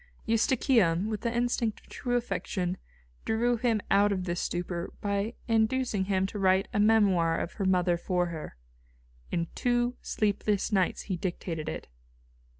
Eustochium, with the instinct of true affection, drew him out of this stupor by inducing him to write a memoir of her mother for her. In two sleepless nights he dictated it.